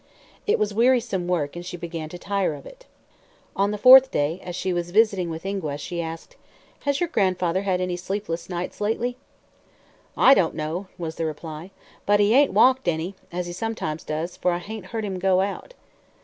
It was wearisome work and she began to tire of it. On the fourth day, as she was "visiting" with Ingua, she asked: "Has your grandfather had any sleepless nights lately?" "I don't know," was the reply. "But he ain't walked any, as he sometimes does, for I hain't heard him go out."